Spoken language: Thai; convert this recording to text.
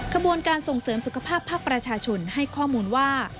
ขบวนการส่งเสริมสุขภาพภาคประชาชนให้ข้อมูลว่า